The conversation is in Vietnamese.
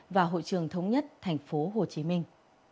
và hội trường thống nhất tp hồ chí minh